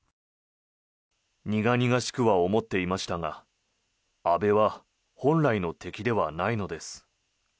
苦々しくは思っていましたが安倍は本来の敵ではないのです。